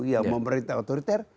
yang pemerintah otoriter